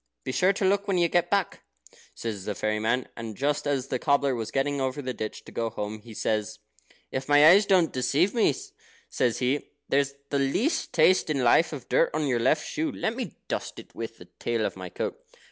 "Be sure to look when you get back," says the fairy man. And just as the cobbler was getting over the ditch to go home, he says: "If my eyes don't deceive me," says he, "there's the least taste in life of dirt on your left shoe. Let me dust it with the tail of my coat."